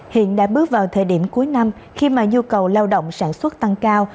hiện đã bước vào thời điểm cuối năm khi mà nhu cầu lao động sản xuất tăng cao